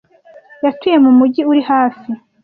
Yatuye mu mujyi uri hafi.